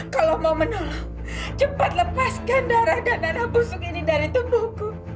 kalau mau menolong cepat lepaskan darah dan darah busuk ini dari tubuhku